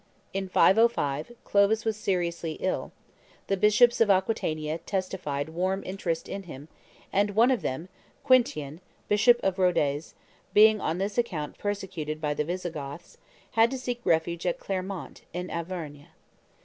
In 505 Clovis was seriously ill; the bishops of Aquitania testified warm interest in him; and one of them, Quintian, bishop of Rodez, being on this account persecuted by the Visigoths, had to seek refuge at Clermont, in Auvergne.